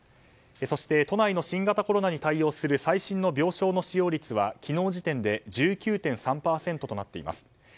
そして都内の新型コロナに対応する最新の病床の使用率は昨日時点で１９．３％となっています。